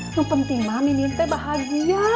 yang penting mamin minta bahagia